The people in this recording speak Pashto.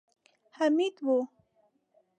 حميد و.